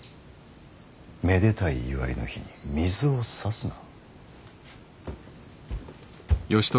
めでたい祝いの日に水をさすな。